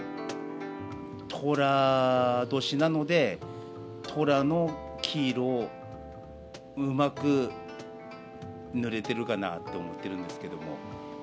とら年なので、とらの黄色をうまく塗れてるかなと思ってるんですけれども。